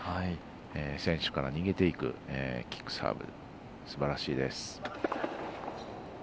選手から逃げていくキックサーブすばらしいです。